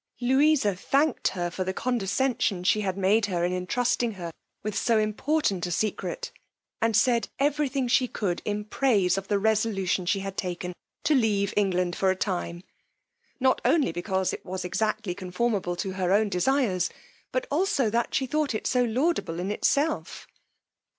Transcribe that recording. Louisa thanked her for the condescension me had made her in entrusting her with so important a secret, and said every thing she could in praise of the resolution she had taken to leave England for a time, not only because it was exactly conformable to her own desires, but also that she thought it so laudable in itself.